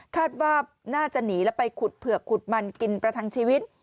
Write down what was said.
คาดว่าน่าจะหนีแล้วไปขุดเผือกขุดมันกินประทังชีวิต